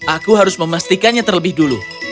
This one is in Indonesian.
aku harus memastikannya terlebih dulu